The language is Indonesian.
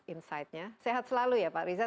insightnya sehat selalu ya pak riza